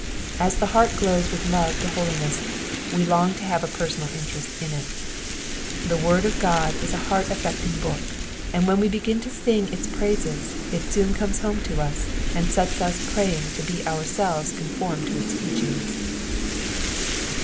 As the heart glows with love to holiness, we long to have a personal interest in it. The word of God is a heart affecting book, and when we begin to sing its praises it soon comes home to us, and sets us praying to be ourselves con formed to its teachings.